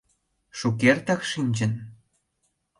— Шукертак шинчын?